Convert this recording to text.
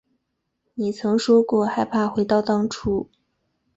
你曾说过害怕回到当初